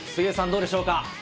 どうでしょうか。